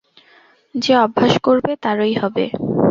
যে অভ্যাস করবে, তারই হবে।